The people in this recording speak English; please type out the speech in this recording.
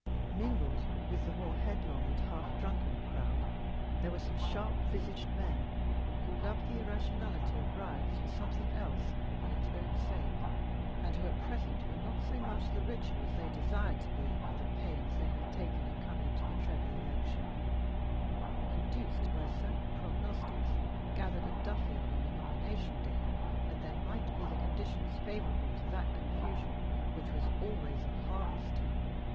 Mingled with the more headlong and half drunken crowd there were some sharp visaged men who loved the irrationality of riots for something else than its own sake, and who at present were not so much the richer as they desired to be, for the pains they had taken in coming to the Treby election, induced by certain prognostics gathered at Duffield on the nomination day that there might be the conditions favorable to that confusion which was always a harvest time.